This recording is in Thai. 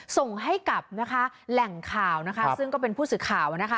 ส่งให้กับนะคะแหล่งข่าวนะคะซึ่งก็เป็นผู้สื่อข่าวนะคะ